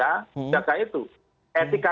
menjaga itu etika